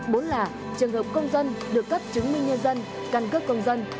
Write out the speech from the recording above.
bốn là trường hợp công dân được cấp chứng minh nhân dân căn cước công dân